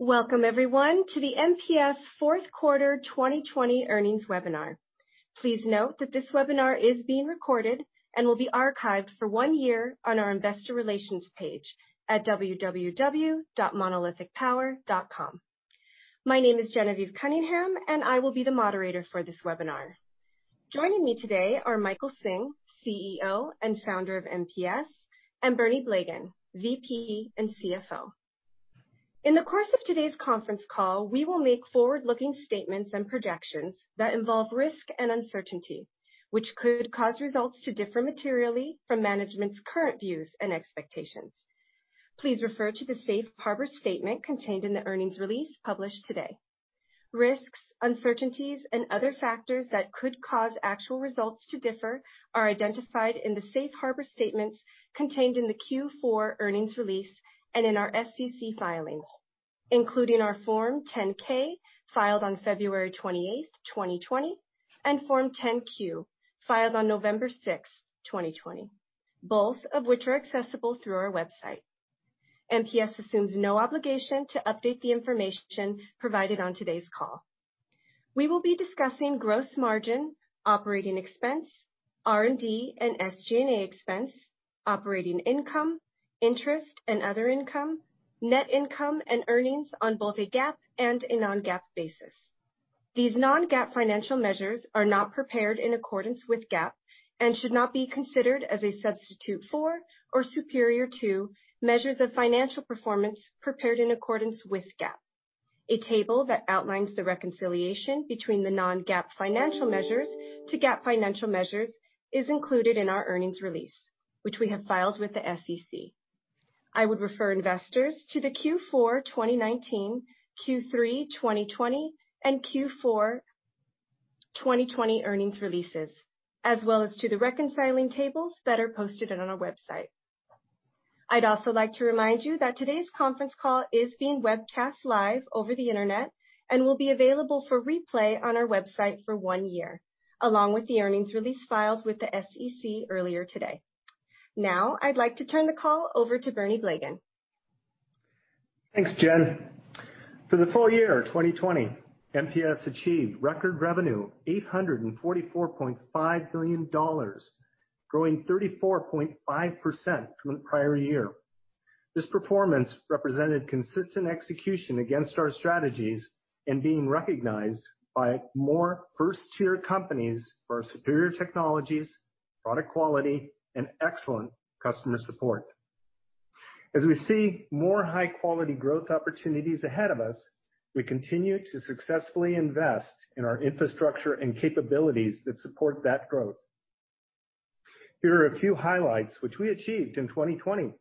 Welcome, everyone, to the MPS fourth quarter 2020 earnings webinar. Please note that this webinar is being recorded and will be archived for one year on our investor relations page at www.monolithicpower.com. My name is Genevieve Cunningham, and I will be the moderator for this webinar. Joining me today are Michael Hsing, CEO and founder of MPS, and Bernie Blegen, VP and CFO. In the course of today's conference call, we will make forward-looking statements and projections that involve risk and uncertainty, which could cause results to differ materially from management's current views and expectations. Please refer to the safe harbor statement contained in the earnings release published today. Risks, uncertainties, and other factors that could cause actual results to differ are identified in the safe harbor statements contained in the Q4 earnings release and in our SEC filings, including our Form 10-K, filed on February 28th, 2020, and Form 10-Q, filed on November 6th, 2020, both of which are accessible through our website. MPS assumes no obligation to update the information provided on today's call. We will be discussing gross margin, operating expense, R&D, and SG&A expense, operating income, interest and other income, net income, and earnings on both a GAAP and a non-GAAP basis. These non-GAAP financial measures are not prepared in accordance with GAAP and should not be considered as a substitute for or superior to measures of financial performance prepared in accordance with GAAP. A table that outlines the reconciliation between the non-GAAP financial measures to GAAP financial measures is included in our earnings release, which we have filed with the SEC. I would refer investors to the Q4 2019, Q3 2020, and Q4 2020 earnings releases, as well as to the reconciling tables that are posted on our website. I'd also like to remind you that today's conference call is being webcast live over the internet and will be available for replay on our website for one year, along with the earnings release filed with the SEC earlier today. Now, I'd like to turn the call over to Bernie Blegen. Thanks, Gen. For the full year 2020, MPS achieved record revenue, $844.5 million, growing 34.5% from the prior year. This performance represented consistent execution against our strategies and being recognized by more first-tier companies for our superior technologies, product quality, and excellent customer support. As we see more high-quality growth opportunities ahead of us, we continue to successfully invest in our infrastructure and capabilities that support that growth. Here are a few highlights which we achieved in 2020.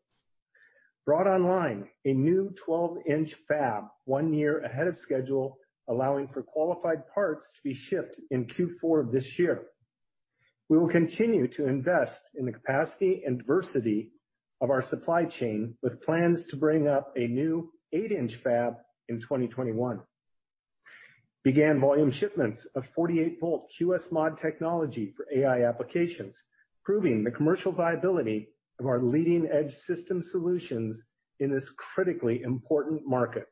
Brought online a new 12-inch fab one year ahead of schedule, allowing for qualified parts to be shipped in Q4 of this year. We will continue to invest in the capacity and diversity of our supply chain with plans to bring up a new eight inch fab in 2021. Began volume shipments of 48-volt QSMoD technology for AI applications, proving the commercial viability of our leading-edge system solutions in this critically important market.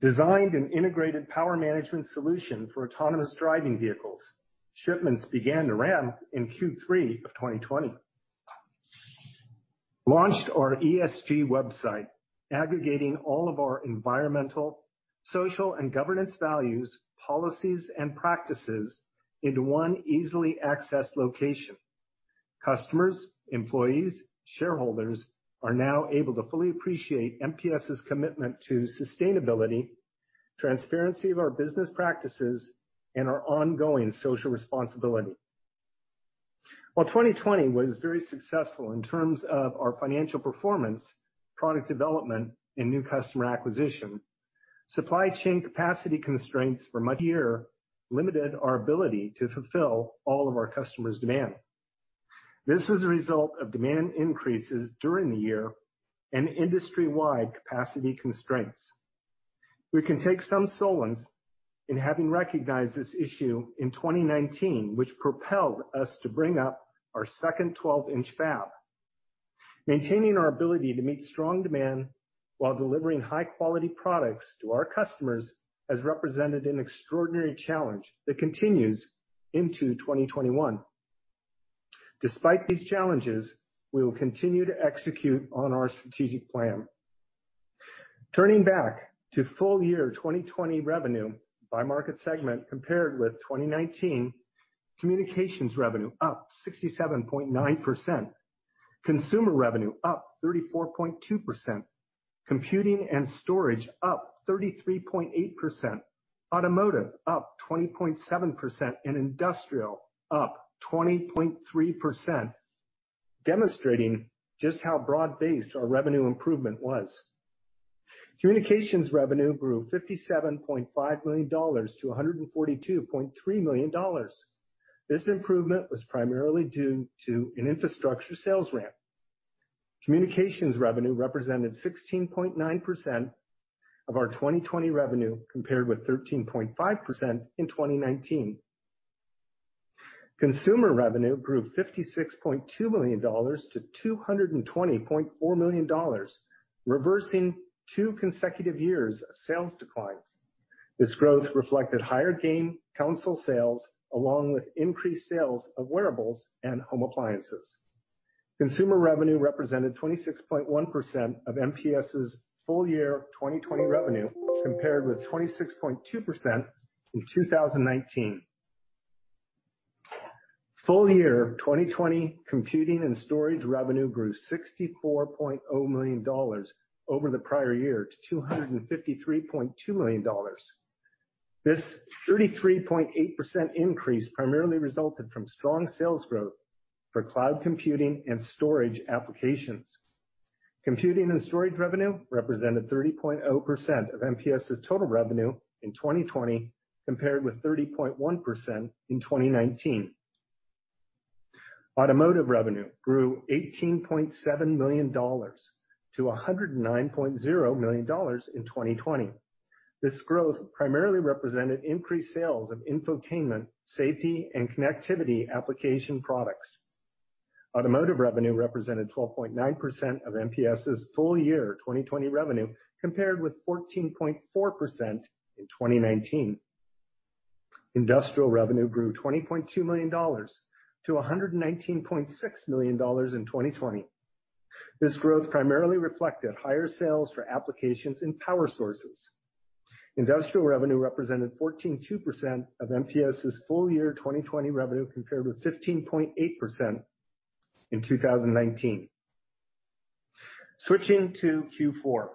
Designed an integrated power management solution for autonomous driving vehicles. Shipments began to ramp in Q3 of 2020. Launched our ESG website, aggregating all of our environmental, social, and governance values, policies, and practices into one easily accessed location. Customers, employees, shareholders are now able to fully appreciate MPS' commitment to sustainability, transparency of our business practices, and our ongoing social responsibility. While 2020 was very successful in terms of our financial performance, product development, and new customer acquisition, supply chain capacity constraints for much of the year limited our ability to fulfill all of our customers' demand. This was a result of demand increases during the year and industry-wide capacity constraints. We can take some solace in having recognized this issue in 2019, which propelled us to bring up our second 12-inch fab. Maintaining our ability to meet strong demand while delivering high-quality products to our customers has represented an extraordinary challenge that continues into 2021. Despite these challenges, we will continue to execute on our strategic plan. Turning back to full year 2020 revenue by market segment compared with 2019, communications revenue up 67.9%, consumer revenue up 34.2%, computing and storage up 33.8%, automotive up 20.7%, and industrial up 20.3%, demonstrating just how broad-based our revenue improvement was. Communications revenue grew $57.5 million-$142.3 million. This improvement was primarily due to an infrastructure sales ramp. Communications revenue represented 16.9% of our 2020 revenue, compared with 13.5% in 2019. Consumer revenue grew $56.2 million-$220.4 million, reversing two consecutive years of sales declines. This growth reflected higher game console sales, along with increased sales of wearables and home appliances. Consumer revenue represented 26.1% of MPS's full year 2020 revenue, compared with 26.2% in 2019. Full year 2020 computing and storage revenue grew $64.0 million over the prior year to $253.2 million. This 33.8% increase primarily resulted from strong sales growth for cloud computing and storage applications. Computing and storage revenue represented 30.0% of MPS's total revenue in 2020, compared with 30.1% in 2019. Automotive revenue grew $18.7 million to $109.0 million in 2020. This growth primarily represented increased sales of infotainment, safety, and connectivity application products. Automotive revenue represented 12.9% of MPS's full year 2020 revenue, compared with 14.4% in 2019. Industrial revenue grew $20.2 million to $119.6 million in 2020. This growth primarily reflected higher sales for applications and power sources. Industrial revenue represented 14.2% of MPS's full year 2020 revenue, compared with 15.8% in 2019. Switching to Q4,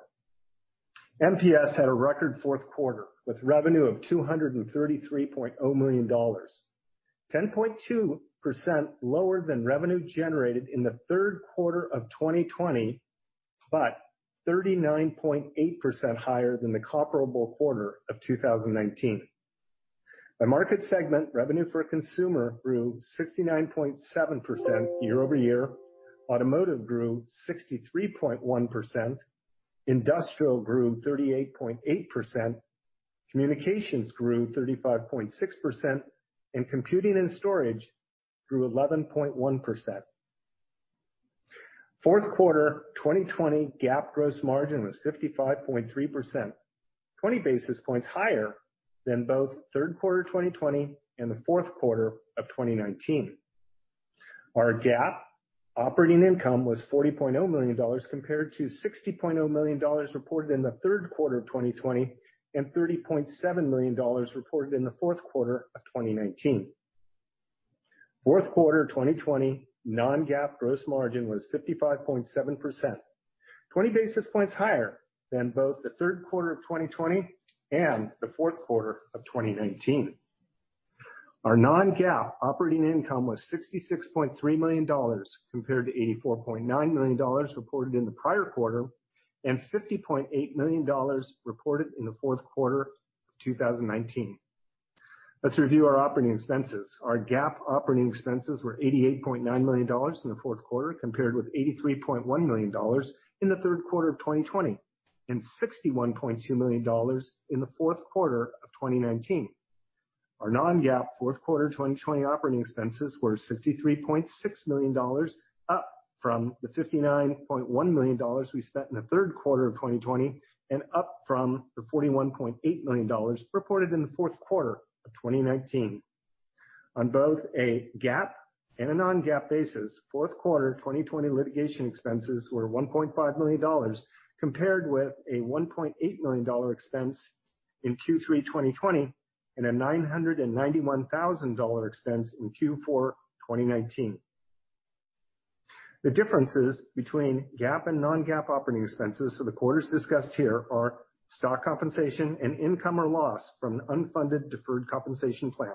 MPS had a record fourth quarter, with revenue of $233.0 million, 10.2% lower than revenue generated in the third quarter of 2020, 39.8% higher than the comparable quarter of 2019. By market segment, revenue for consumer grew 69.7% year-over-year, automotive grew 63.1%, industrial grew 38.8%, communications grew 35.6%, computing and storage grew 11.1%. Fourth quarter 2020 GAAP gross margin was 55.3%, 20 basis points higher than both third quarter 2020 and the fourth quarter of 2019. Our GAAP operating income was $40.0 million, compared to $60.0 million reported in the third quarter of 2020, $30.7 million reported in the fourth quarter of 2019. Fourth quarter 2020 non-GAAP gross margin was 55.7%, 20 basis points higher than both the third quarter of 2020 and the fourth quarter of 2019. Our non-GAAP operating income was $66.3 million, compared to $84.9 million reported in the prior quarter, and $50.8 million reported in the fourth quarter of 2019. Let's review our operating expenses. Our GAAP operating expenses were $88.9 million in the fourth quarter, compared with $83.1 million in the third quarter of 2020, and $61.2 million in the fourth quarter of 2019. Our non-GAAP fourth quarter 2020 operating expenses were $63.6 million, up from the $59.1 million we spent in the third quarter of 2020, and up from the $41.8 million reported in the fourth quarter of 2019. On both a GAAP and a non-GAAP basis, fourth quarter 2020 litigation expenses were $1.5 million, compared with a $1.8 million expense in Q3 2020, and a $991,000 expense in Q4 2019. The differences between GAAP and non-GAAP operating expenses for the quarters discussed here are stock compensation and income or loss from an unfunded deferred compensation plan.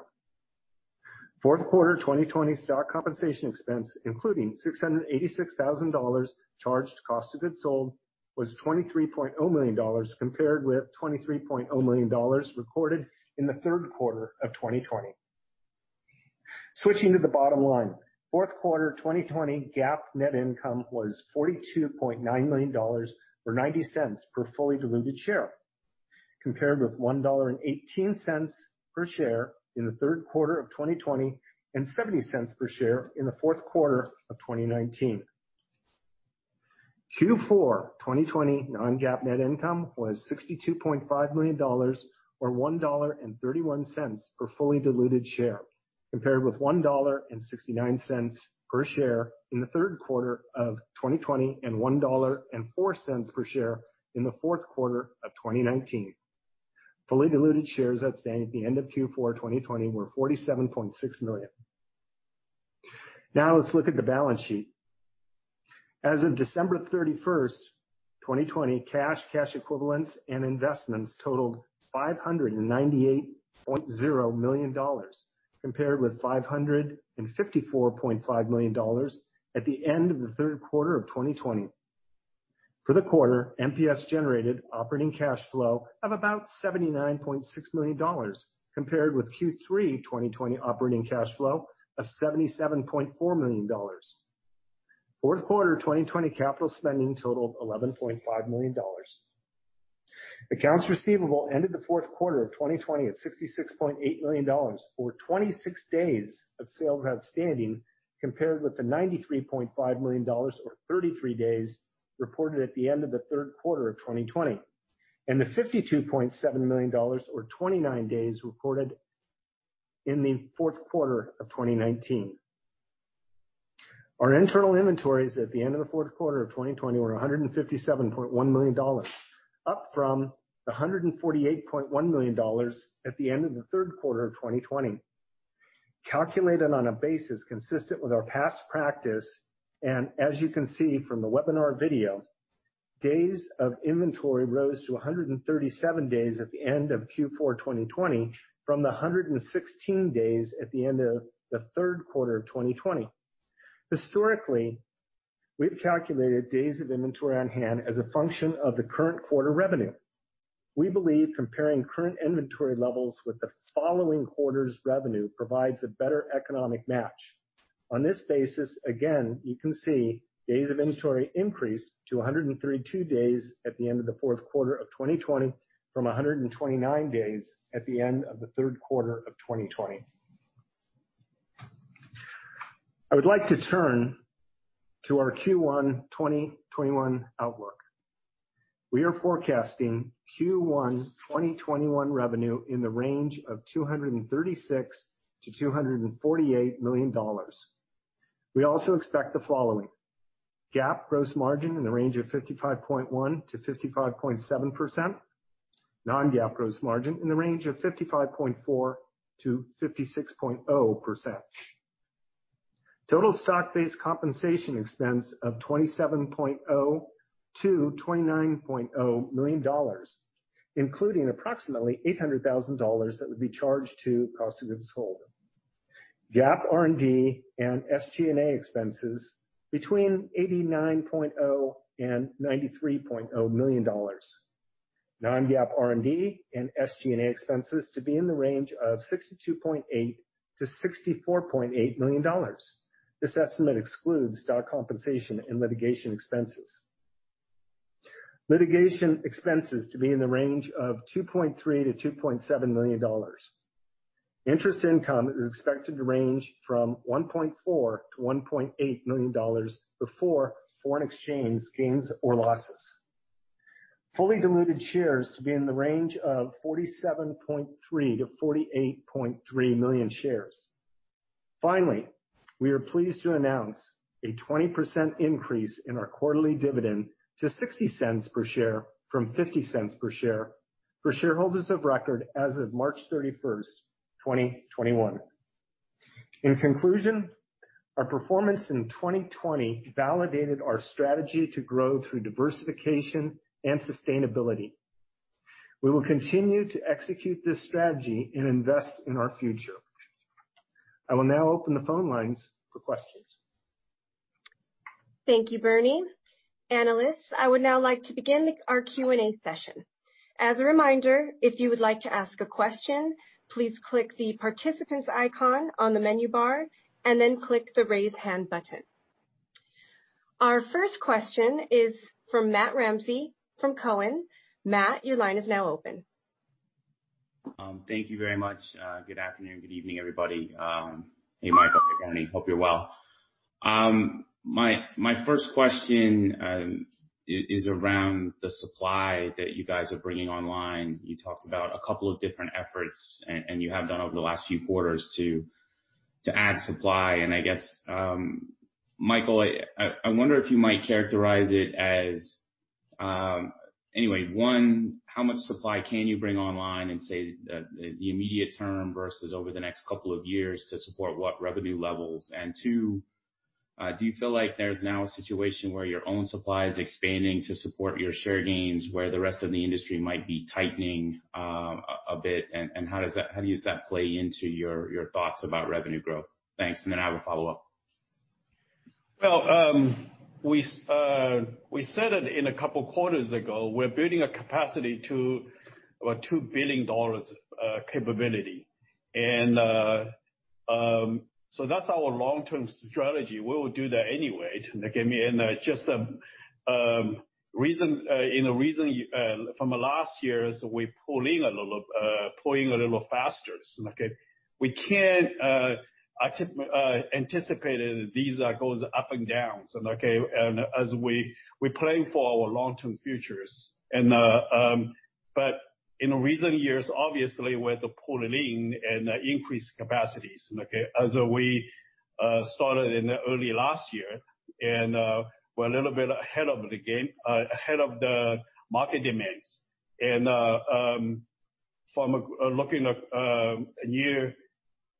Fourth quarter 2020 stock compensation expense, including $686,000 charged cost of goods sold, was $23.0 million, compared with $23.0 million recorded in the third quarter of 2020. Switching to the bottom line, fourth quarter 2020 GAAP net income was $42.9 million, or $0.90 per fully diluted share, compared with $1.18 per share in the third quarter of 2020, and $0.70 per share in the fourth quarter of 2019. Q4 2020 non-GAAP net income was $62.5 million, or $1.31 per fully diluted share, compared with $1.69 per share in the third quarter of 2020, and $1.04 per share in the fourth quarter of 2019. Fully diluted shares outstanding at the end of Q4 2020 were 47.6 million. Now let's look at the balance sheet. As of December 31st, 2020, cash equivalents, and investments totaled $598.0 million, compared with $554.5 million at the end of the third quarter of 2020. For the quarter, MPS generated operating cash flow of about $79.6 million, compared with Q3 2020 operating cash flow of $77.4 million. Fourth quarter 2020 capital spending totaled $11.5 million. Accounts receivable ended the fourth quarter of 2020 at $66.8 million, or 26 days of sales outstanding, compared with the $93.5 million or 33 days reported at the end of the third quarter of 2020, and the $52.7 million or 29 days reported in the fourth quarter of 2019. Our internal inventories at the end of the fourth quarter of 2020 were $157.1 million, up from the $148.1 million at the end of the third quarter of 2020. Calculated on a basis consistent with our past practice, and as you can see from the webinar video, days of inventory rose to 137 days at the end of Q4 2020 from the 116 days at the end of the third quarter of 2020. Historically, we've calculated days of inventory on hand as a function of the current quarter revenue. We believe comparing current inventory levels with the following quarter's revenue provides a better economic match. On this basis, again, you can see days of inventory increased to 132 days at the end of the fourth quarter of 2020 from 129 days at the end of the third quarter of 2020. I would like to turn to our Q1 2021 outlook. We are forecasting Q1 2021 revenue in the range of $236-$248 million. We also expect the following. GAAP gross margin in the range of 55.1%-55.7%. Non-GAAP gross margin in the range of 55.4%-56.0%. Total stock-based compensation expense of $27.0 million-$29.0 million, including approximately $800,000 that would be charged to cost of goods sold. GAAP R&D and SG&A expenses between $89.0 million and $93.0 million. Non-GAAP R&D and SG&A expenses to be in the range of $62.8 million-$64.8 million. This estimate excludes stock compensation and litigation expenses. Litigation expenses to be in the range of $2.3 million-$2.7 million. Interest income is expected to range from $1.4 million-$1.8 million before foreign exchange gains or losses. Fully diluted shares to be in the range of 47.3 million-48.3 million shares. Finally, we are pleased to announce a 20% increase in our quarterly dividend to $0.60 per share from $0.50 per share for shareholders of record as of March 31st, 2021. In conclusion, our performance in 2020 validated our strategy to grow through diversification and sustainability. We will continue to execute this strategy and invest in our future. I will now open the phone lines for questions. Thank you, Bernie. Analysts, I would now like to begin our Q&A session. As a reminder, if you would like to ask a question, please click the participants icon on the menu bar and then click the raise hand button. Our first question is from Matt Ramsay from Cowen. Matt, your line is now open. Thank you very much. Good afternoon, good evening, everybody. Hey, Michael, hey, Bernie. Hope you're well. My first question is around the supply that you guys are bringing online. You talked about a couple of different efforts, and you have done over the last few quarters to add supply. I guess, Michael, I wonder if you might characterize it as, anyway, one, how much supply can you bring online in, say, the immediate term versus over the next couple of years to support what revenue levels? Two, do you feel like there's now a situation where your own supply is expanding to support your share gains, where the rest of the industry might be tightening a bit, and how does that play into your thoughts about revenue growth? Thanks. Then I have a follow-up. Well, we said it in a couple quarters ago. We're building a capacity to about $2 billion capability. That's our long-term strategy. We will do that anyway. Just in the recent, from the last year is we're pulling a little faster. We can't anticipate these goes up and downs, okay, and as we plan for our long-term futures. In the recent years, obviously, we're pulling in and increase capacities, okay, as we started in early last year and we're a little bit ahead of the market demands. From looking a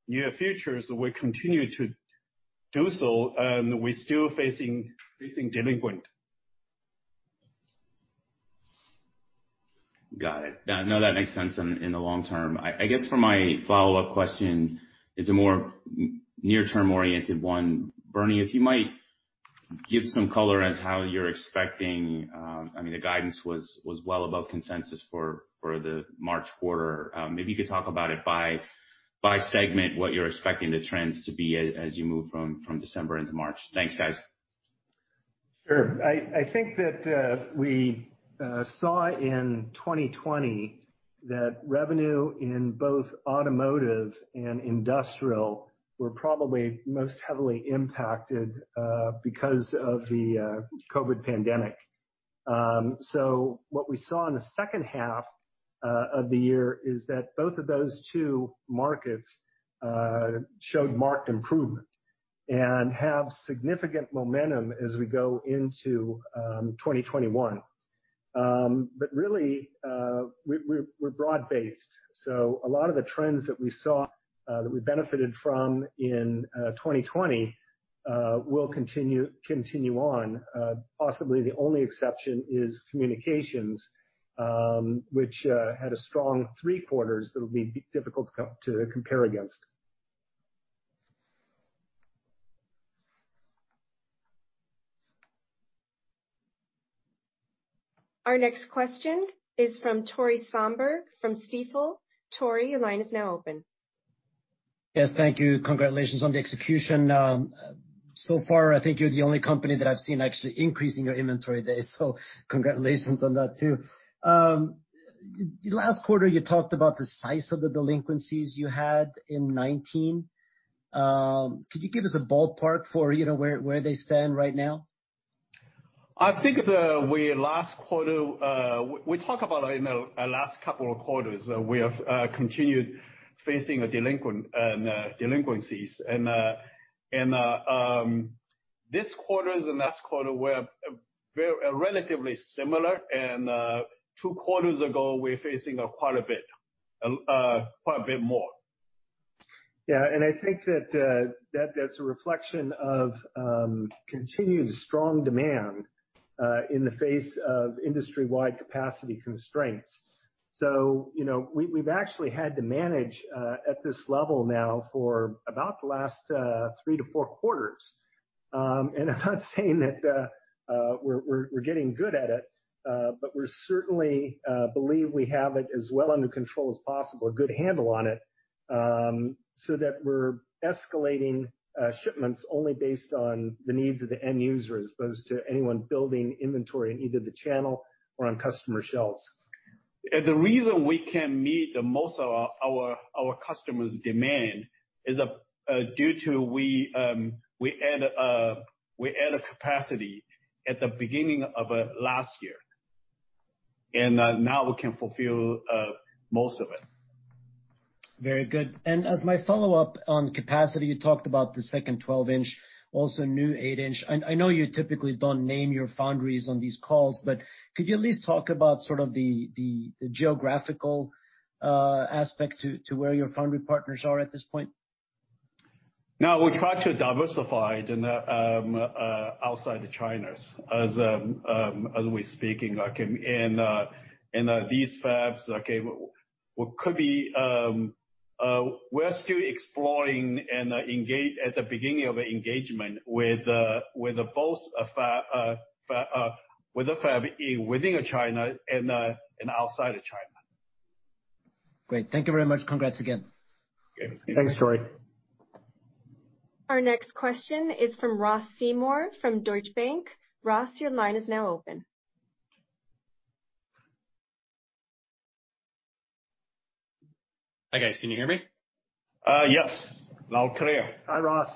year futures, we continue to do so, and we're still facing delinquent. Got it. No, that makes sense in the long term. I guess for my follow-up question is a more near-term oriented one. Bernie, if you might give some color as how you're expecting I mean, the guidance was well above consensus for the March quarter. Maybe you could talk about it by segment, what you're expecting the trends to be as you move from December into March. Thanks, guys. Sure. I think that we saw in 2020 that revenue in both automotive and industrial were probably most heavily impacted because of the COVID pandemic. What we saw in the second half of the year is that both of those two markets showed marked improvement and have significant momentum as we go into 2021. Really, we're broad-based. A lot of the trends that we saw, that we benefited from in 2020, will continue on. Possibly the only exception is communications, which had a strong three quarters that'll be difficult to compare against. Our next question is from Tore Svanberg from Stifel. Tore, your line is now open. Yes, thank you. Congratulations on the execution. So far, I think you're the only company that I've seen actually increasing your inventory days, so congratulations on that, too. Last quarter, you talked about the size of the delinquencies you had in 2019. Could you give us a ballpark for where they stand right now? I think the way last quarter, we talk about in the last couple of quarters, we have continued facing delinquencies. This quarter and last quarter were relatively similar. Two quarters ago, we're facing quite a bit more. Yeah, I think that's a reflection of continued strong demand, in the face of industry-wide capacity constraints. We've actually had to manage at this level now for about the last three to four quarters. I'm not saying that we're getting good at it, but we certainly believe we have it as well under control as possible, a good handle on it, so that we're escalating shipments only based on the needs of the end user, as opposed to anyone building inventory in either the channel or on customer shelves. The reason we can meet the most of our customers' demand is due to we add a capacity at the beginning of last year, and now we can fulfill most of it. Very good. As my follow-up on capacity, you talked about the second 12-inch, also new eight-inch. I know you typically don't name your foundries on these calls, but could you at least talk about sort of the geographical aspect to where your foundry partners are at this point? No, we try to diversify outside the China as we're speaking. In these fabs, we're still exploring and at the beginning of engagement with both fab, within China and outside of China. Great. Thank you very much. Congrats again. Okay. Thanks, Tore. Our next question is from Ross Seymore from Deutsche Bank. Ross, your line is now open. Hi, guys. Can you hear me? Yes. Loud and clear. Hi, Ross.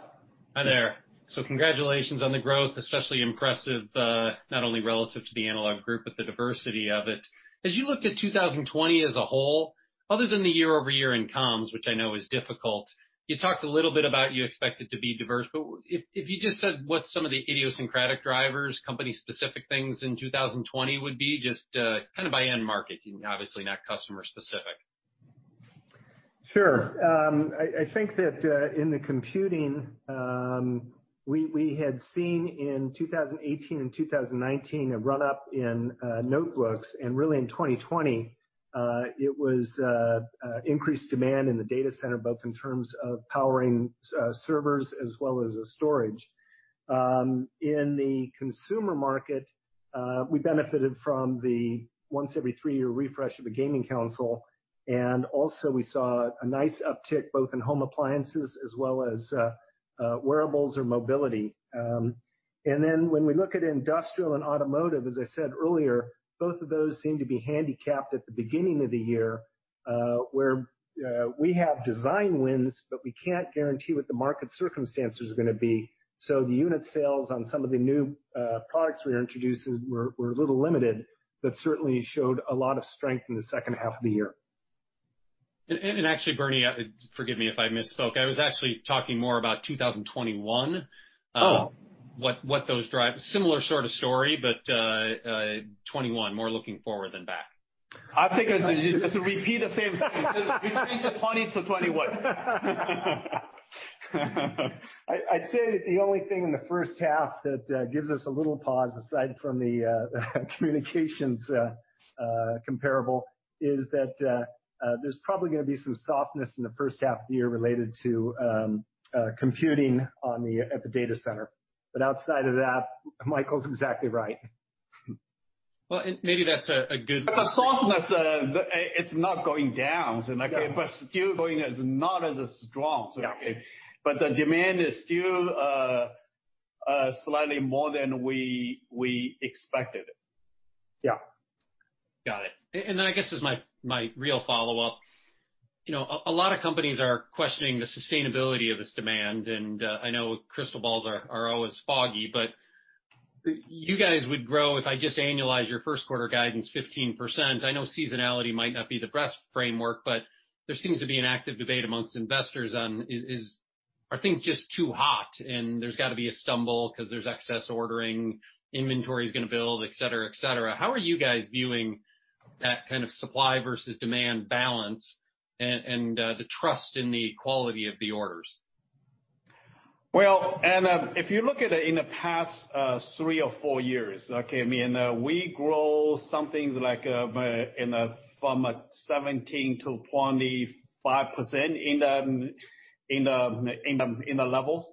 Hi there. Congratulations on the growth, especially impressive, not only relative to the analog group, but the diversity of it. As you looked at 2020 as a whole, other than the year-over-year in comms, which I know is difficult, you talked a little bit about you expect it to be diverse, but if you just said what some of the idiosyncratic drivers, company specific things in 2020 would be, just kind of by end market, obviously not customer specific. Sure. I think that in the computing, we had seen in 2018 and 2019 a run up in notebooks, and really in 2020, it was increased demand in the data center, both in terms of powering servers as well as storage. In the consumer market, we benefited from the once every three-year refresh of the gaming console, and also we saw a nice uptick both in home appliances as well as wearables or mobility. When we look at industrial and automotive, as I said earlier, both of those seem to be handicapped at the beginning of the year, where we have design wins, but we can't guarantee what the market circumstances are going to be. The unit sales on some of the new products we are introducing were a little limited, but certainly showed a lot of strength in the second half of the year. Actually, Bernie, forgive me if I misspoke. I was actually talking more about 2021. Oh. What those drive, similar sort of story, but 2021 more looking forward than back. I think it's a repeat of same thing. Between the 2020 to 2021. I'd say that the only thing in the first half that gives us a little pause, aside from the communications comparable, is that there's probably going to be some softness in the first half of the year related to computing at the data center. Outside of that, Michael's exactly right. Well, maybe that's a good-. Softness, it's not going down. Still going, not as strong. Yeah. The demand is still slightly more than we expected. Yeah. Got it. Then I guess as my real follow-up, a lot of companies are questioning the sustainability of this demand, and I know crystal balls are always foggy. You guys would grow, if I just annualize your first quarter guidance, 15%. I know seasonality might not be the best framework, but there seems to be an active debate amongst investors on, are things just too hot and there's got to be a stumble because there's excess ordering, inventory's going to build, et cetera. How are you guys viewing that kind of supply versus demand balance and the trust in the quality of the orders? Well, if you look at it in the past three or four years, okay. We grow something like from 17%-25% in the levels.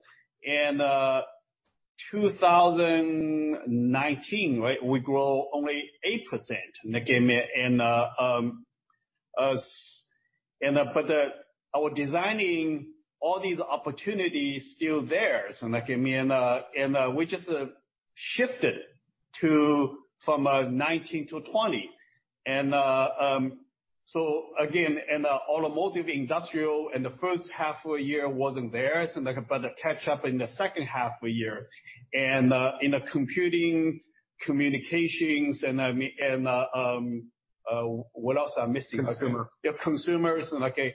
2019, we grow only 8%, but our designing all these opportunities still there. We just shifted from 2019-2020. Again, in the automotive, industrial, in the first half of the year wasn't there, but they catch up in the second half of the year. In the computing, communications, and what else am I missing? Consumer. Yeah, consumers. The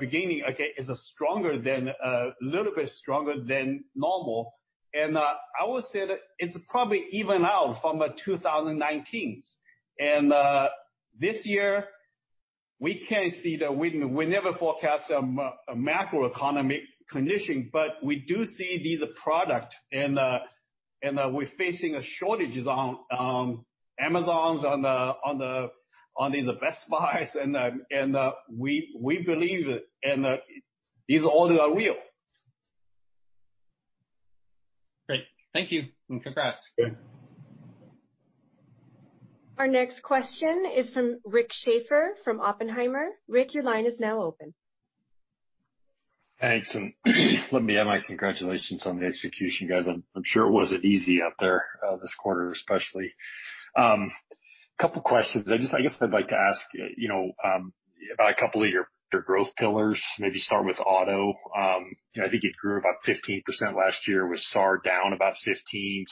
beginning is a little bit stronger than normal. I would say that it's probably evened out from 2019. This year, we never forecast a macroeconomy condition, but we do see these products, and we're facing shortages on Amazon, on these Best Buy, and we believe it, and these orders are real. Great. Thank you, and congrats. Sure. Our next question is from Rick Schafer from Oppenheimer. Rick, your line is now open. Thanks. Let me add my congratulations on the execution, guys. I'm sure it wasn't easy out there, this quarter, especially. Couple questions. I guess I'd like to ask about a couple of your growth pillars, maybe start with auto. I think it grew about 15% last year, with SAR down about 15%.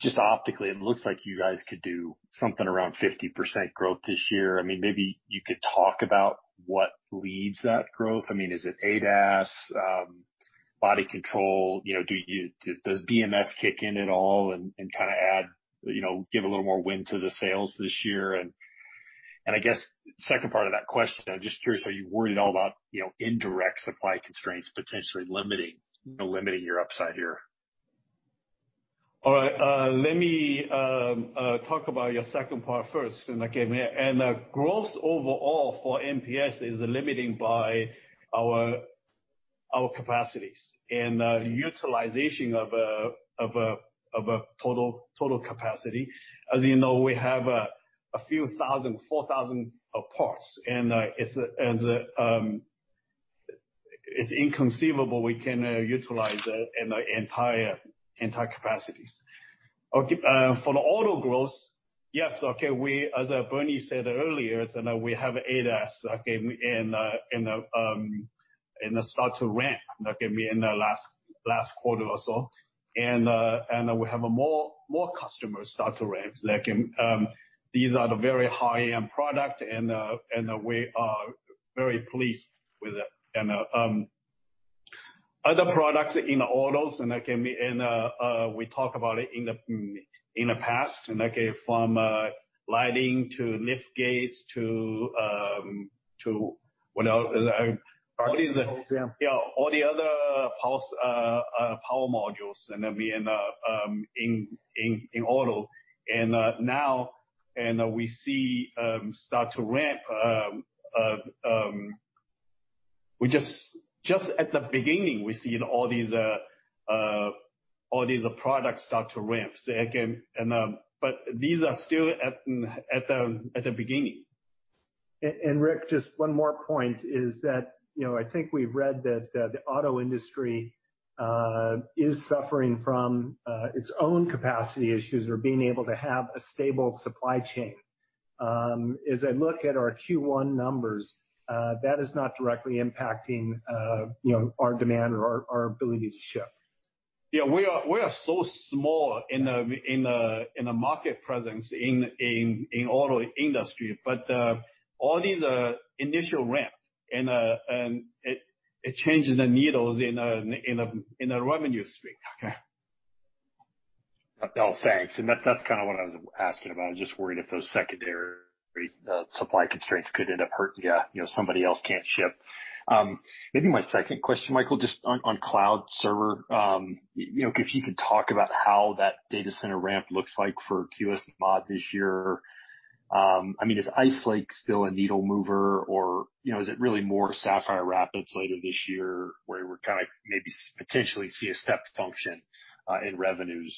Just optically, it looks like you guys could do something around 50% growth this year. Maybe you could talk about what leads that growth. Is it ADAS, body control? Does BMS kick in at all and kind of give a little more wind to the sails this year? I guess, second part of that question, I'm just curious, are you worried at all about indirect supply constraints potentially limiting your upside here? All right. Let me talk about your second part first. The growth overall for MPS is limited by our capacities and utilization of our total capacity. As you know, we have a few thousand, 4,000 parts, and it's inconceivable we can utilize entire capacities. For the auto growth, yes, as Bernie said earlier, we have ADAS, and start to ramp in the last quarter or so. We have more customers start to ramp. These are the very high-end product and we are very pleased with it. Other products in autos, and we talk about it in the past, from lighting to lift gates to what else? Power modules, yeah. Yeah, all the other power modules in auto. Now, we see start to ramp. Just at the beginning, we see all these products start to ramp, but these are still at the beginning. Rick, just one more point is that, I think we've read that the auto industry is suffering from its own capacity issues or being able to have a stable supply chain. As I look at our Q1 numbers, that is not directly impacting our demand or our ability to ship. Yeah. We are so small in the market presence in auto industry. All these initial ramp and it changes the needles in the revenue stream. Okay. Well, thanks. That's kind of what I was asking about. I was just worried if those secondary supply constraints could end up hurting you, somebody else can't ship. Maybe my second question, Michael, just on cloud server. If you could talk about how that data center ramp looks like for Q2 this year? Is Ice Lake still a needle mover, or is it really more Sapphire Rapids later this year where we're maybe potentially see a step function in revenues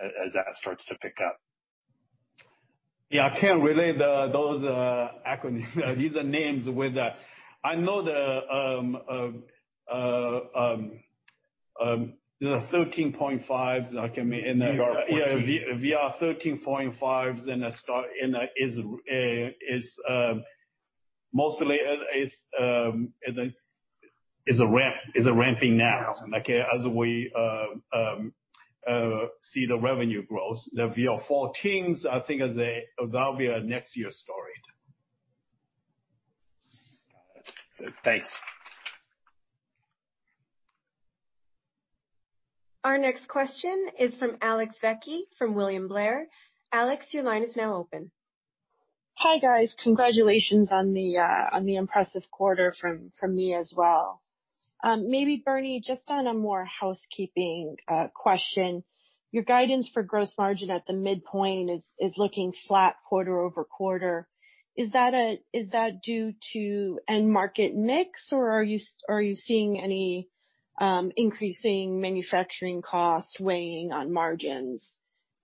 as that starts to pick up? Yeah, I can't relate those acronyms. These are names with I know the 13.5, like in the- VR, yeah. Yeah, VR13.5 mostly is ramping now. As we see the revenue growth. The VR14s, I think that'll be a next year story. Got it. Thanks. Our next question is from Alex Vecchi from William Blair. Alex, your line is now open. Hi, guys. Congratulations on the impressive quarter from me as well. Maybe Bernie, just on a more housekeeping question. Your guidance for gross margin at the midpoint is looking flat quarter-over-quarter. Is that due to end market mix, or are you seeing any increasing manufacturing costs weighing on margins?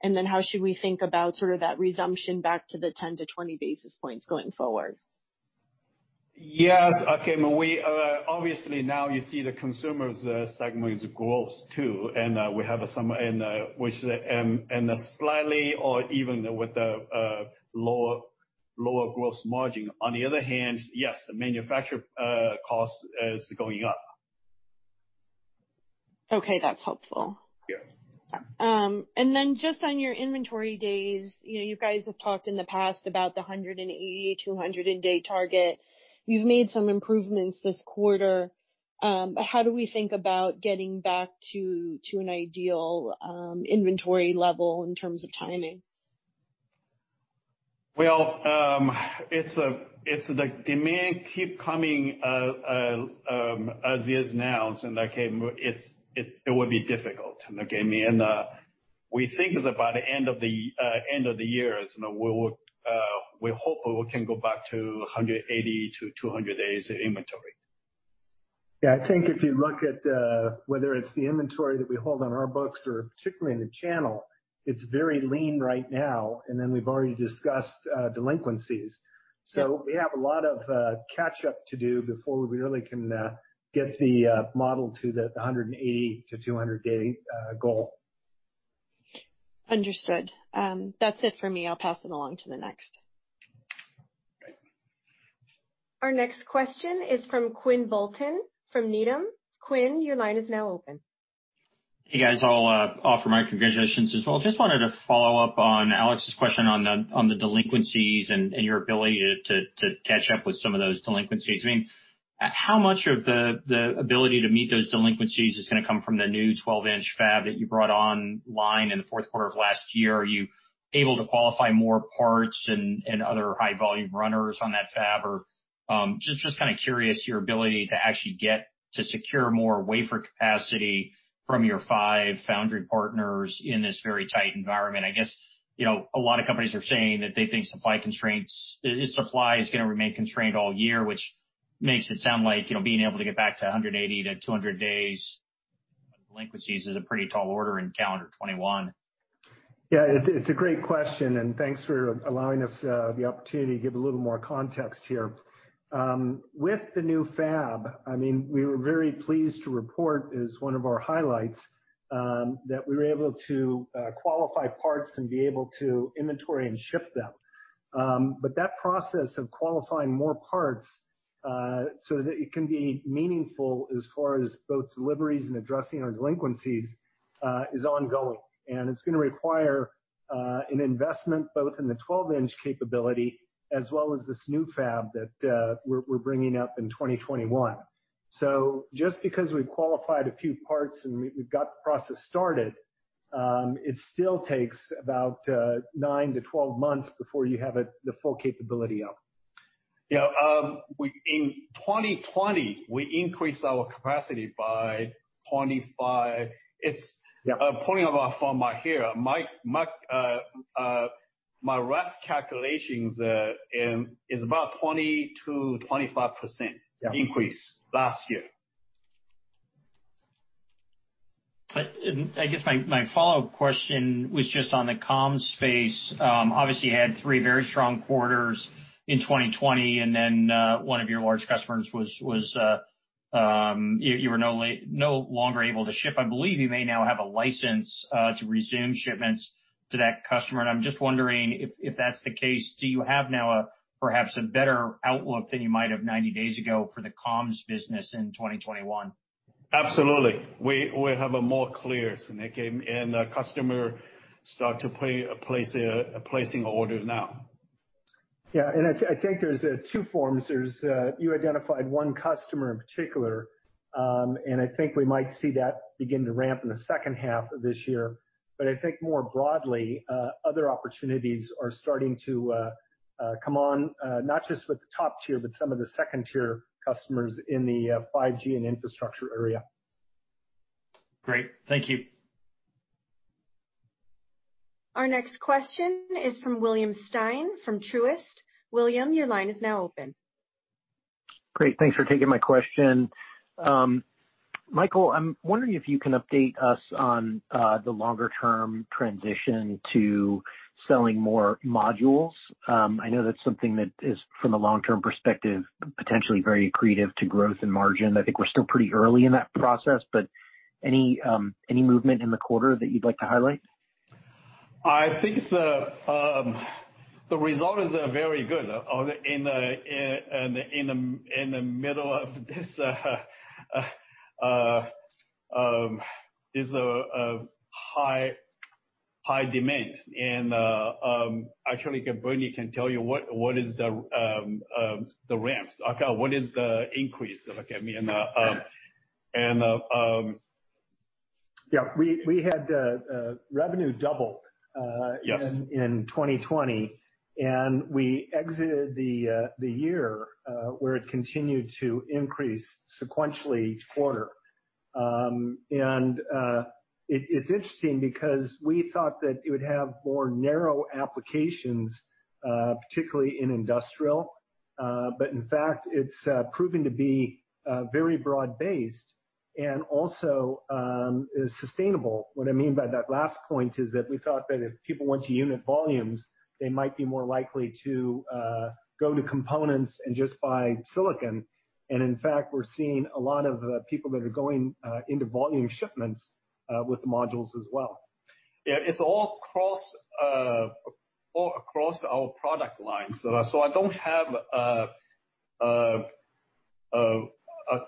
How should we think about that resumption back to the 10-20 basis points going forward? Yes. Okay. Obviously, now you see the consumer segment is growing too, and slightly, or even with the lower gross margin. On the other hand, yes, the manufacturing cost is going up. Okay, that's helpful. Yeah. Just on your inventory days, you guys have talked in the past about the 180, 200-day target. You've made some improvements this quarter. How do we think about getting back to an ideal inventory level in terms of timing? Well, it's the demand keep coming as is now, and it would be difficult. We think by the end of the year, we hope we can go back to 180-200 days of inventory. I think if you look at whether it's the inventory that we hold on our books or particularly in the channel, it's very lean right now, and then we've already discussed delinquencies. We have a lot of catch-up to do before we really can get the model to the 180-200 day goal. Understood. That's it for me. I'll pass it along to the next. Great. Our next question is from Quinn Bolton from Needham. Quinn, your line is now open. Hey, guys. I'll offer my congratulations as well. Just wanted to follow up on Alex's question on the delinquencies and your ability to catch up with some of those delinquencies. How much of the ability to meet those delinquencies is going to come from the new 12-inch fab that you brought online in the fourth quarter of last year? Just kind of curious your ability to actually get to secure more wafer capacity from your five foundry partners in this very tight environment. I guess, a lot of companies are saying that they think supply is going to remain constrained all year, which makes it sound like being able to get back to 180-200 days of delinquencies is a pretty tall order in calendar 2021. It's a great question, and thanks for allowing us the opportunity to give a little more context here. With the new fab, we were very pleased to report as one of our highlights, that we were able to qualify parts and be able to inventory and ship them. That process of qualifying more parts, so that it can be meaningful as far as both deliveries and addressing our delinquencies, is ongoing. It's going to require an investment, both in the 12-inch capability, as well as this new fab that we're bringing up in 2021. Just because we've qualified a few parts and we've got the process started, it still takes about 9-12 months before you have the full capability up. Yeah. In 2020, we increased our capacity by 25. Yeah. Pulling up from my here, my rough calculations is about 20%-25% increase last year. I guess my follow-up question was just on the comms space. Obviously, you had three very strong quarters in 2020, and then, one of your large customers, you were no longer able to ship. I believe you may now have a license to resume shipments to that customer, and I'm just wondering if that's the case. Do you have now perhaps a better outlook than you might have 90 days ago for the comms business in 2021? Absolutely. We have more clears, and the customer start placing orders now. Yeah, I think there's two forms. You identified one customer in particular, and I think we might see that begin to ramp in the second half of this year. I think more broadly, other opportunities are starting to come on, not just with the top tier, but some of the second-tier customers in the 5G and infrastructure area. Great. Thank you. Our next question is from William Stein from Truist. William, your line is now open. Great. Thanks for taking my question. Michael, I'm wondering if you can update us on the longer-term transition to selling more modules. I know that's something that is, from a long-term perspective, potentially very accretive to growth and margin. I think we're still pretty early in that process, but any movement in the quarter that you'd like to highlight? I think the result is very good. In the middle of this is a high demand. Actually, Bernie can tell you what is the ramps. What is the increase? Yeah. We had revenue double- Yes In 2020, we exited the year where it continued to increase sequentially each quarter. It's interesting because we thought that it would have more narrow applications, particularly in industrial. In fact, it's proving to be very broad-based and also is sustainable. What I mean by that last point is that we thought that if people went to unit volumes, they might be more likely to go to components and just buy silicon. In fact, we're seeing a lot of people that are going into volume shipments, with modules as well. It's all across our product lines. I don't have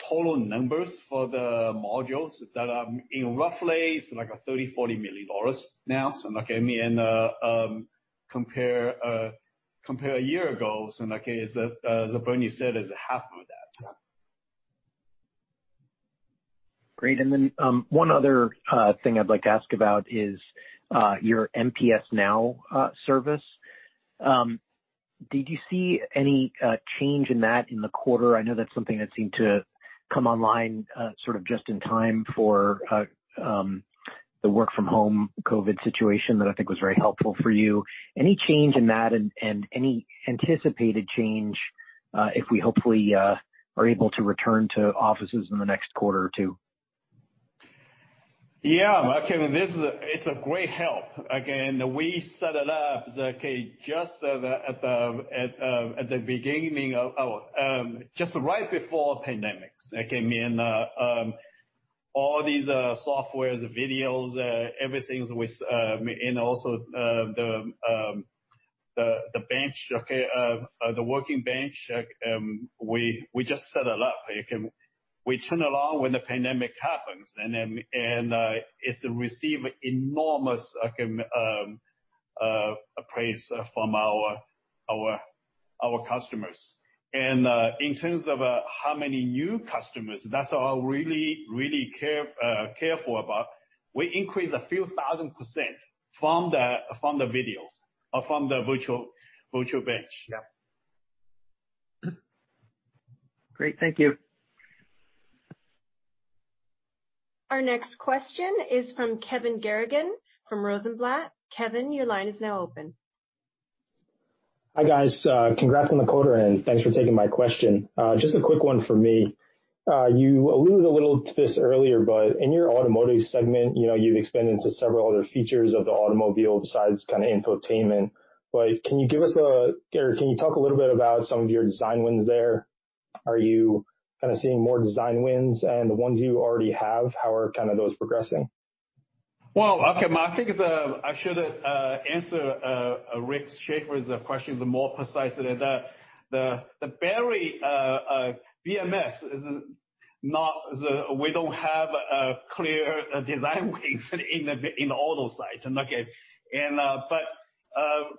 total numbers for the modules that are in roughly, it's like a $30 million-$40 million now. Compare a year ago, as Bernie said, is half of that. Great. One other thing I'd like to ask about is your MPS NOW service. Did you see any change in that in the quarter? I know that's something that seemed to come online sort of just in time for the work from home COVID situation, that I think was very helpful for you. Any change in that, any anticipated change, if we hopefully are able to return to offices in the next quarter or two? Yeah, actually, it's a great help. Again, we set it up just right before pandemic. All these softwares, videos, everything's with. Also the working bench, we just set it up. We turn along when the pandemic happens, and it's received enormous praise from our customers. In terms of how many new customers, that's what I'm really careful about. We increased a few thousand percent from the videos or from the virtual bench. Yeah. Great. Thank you. Our next question is from Kevin Garrigan from Rosenblatt. Kevin, your line is now open. Hi, guys. Congrats on the quarter, and thanks for taking my question. Just a quick one from me. You alluded a little to this earlier. In your automotive segment, you've expanded to several other features of the automobile besides kind of infotainment. Can you talk a little bit about some of your design wins there? Are you kind of seeing more design wins? The ones you already have, how are those progressing? Well, okay. I think I should answer Rick Schafer's question with more precisely that the battery BMS, we don't have clear design wins in the auto side.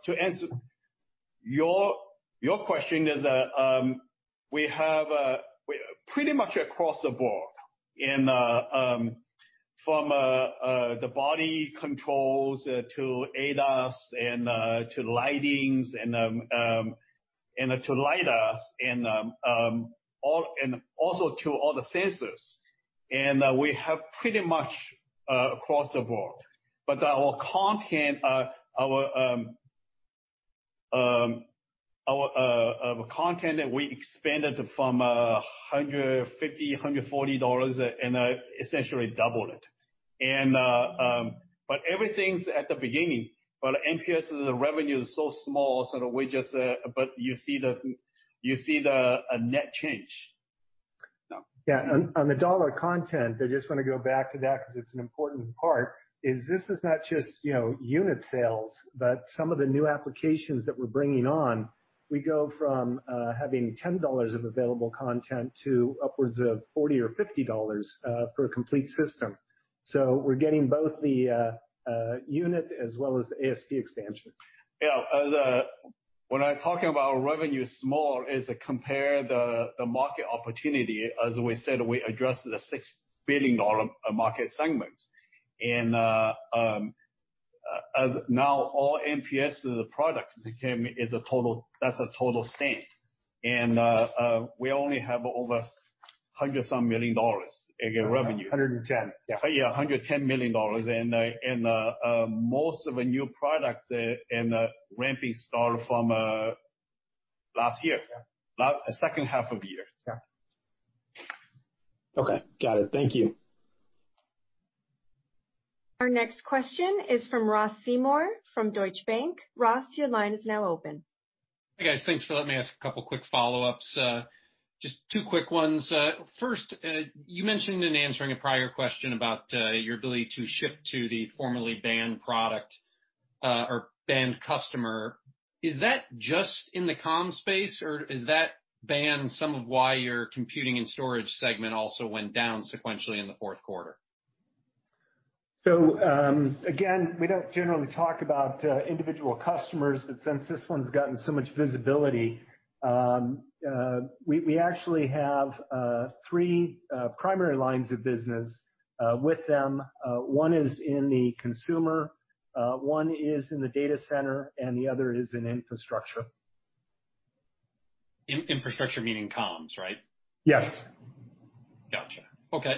To answer your question, we have pretty much across the board, from the body controls to ADAS and to lightings and to LiDAR and also to all the sensors. We have pretty much across the board. Our content that we expanded from $150, $140 and essentially doubled it. Everything's at the beginning, but MPS's revenue is so small, but you see the net change. Yeah. On the dollar content, I just want to go back to that because it's an important part, is this is not just unit sales. Some of the new applications that we're bringing on, we go from having $10 of available content to upwards of $40 or $50 for a complete system. We're getting both the unit as well as the ASP expansion. Yeah. When I'm talking about revenue is small, is compare the market opportunity. As we said, we addressed the $6 billion market segment. As now all MPS as a product, that's a total stand. We only have over $100-some million in revenue. 110. Yeah, $110 million. Most of the new products and the ramping start from last year. Yeah. Second half of the year. Yeah. Okay. Got it. Thank you. Our next question is from Ross Seymore from Deutsche Bank. Ross, your line is now open. Hey, guys. Thanks for letting me ask a couple quick follow-ups. Just two quick ones. First, you mentioned in answering a prior question about your ability to ship to the formerly banned product or banned customer. Is that just in the comm space, or is that ban some of why your computing and storage segment also went down sequentially in the fourth quarter? Again, we don't generally talk about individual customers, but since this one's gotten so much visibility. We actually have three primary lines of business with them. One is in the consumer, one is in the data center, and the other is in infrastructure. Infrastructure meaning comms, right? Yes. Got you. Okay.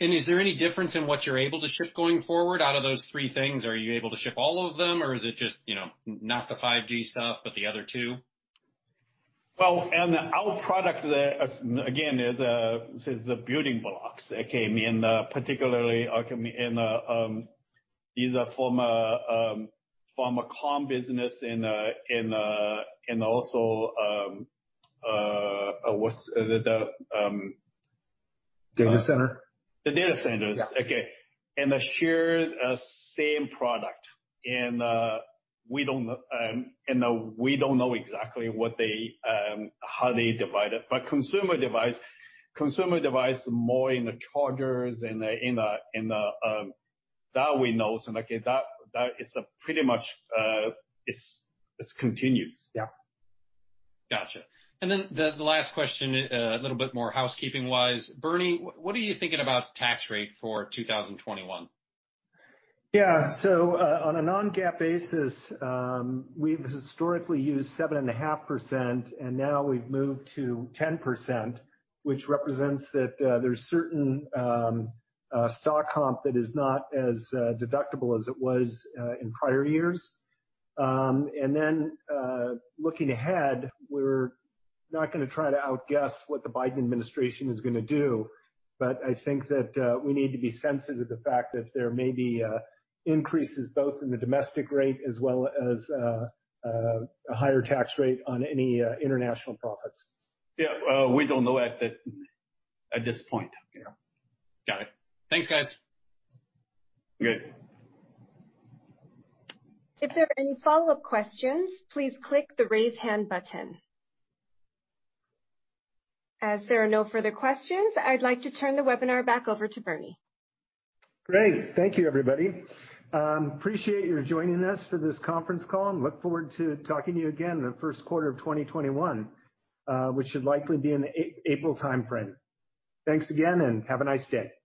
Is there any difference in what you're able to ship going forward out of those three things? Are you able to ship all of them, or is it just not the 5G stuff, but the other two? Well, our products, again, is the building blocks, okay. Particularly these are from a comm business and also. Data center The data centers. Yeah. Okay. They share same product. We don't know exactly how they divide it. Consumer device more in the chargers, that we know. That is a pretty much, it's continuous. Yeah. Got you. The last question, a little bit more housekeeping-wise. Bernie, what are you thinking about tax rate for 2021? On a non-GAAP basis, we've historically used 7.5%, and now we've moved to 10%, which represents that there's certain stock comp that is not as deductible as it was in prior years. Looking ahead, we're not going to try to outguess what the Biden administration is going to do. I think that we need to be sensitive to the fact that there may be increases, both in the domestic rate as well as a higher tax rate on any international profits. Yeah. We don't know at this point. Yeah. Got it. Thanks, guys. Okay. If there are any follow-up questions, please click the Raise Hand button. As there are no further questions, I'd like to turn the webinar back over to Bernie. Great. Thank you, everybody. Appreciate you joining us for this conference call, and look forward to talking to you again in the first quarter of 2021, which should likely be in the April timeframe. Thanks again, and have a nice day.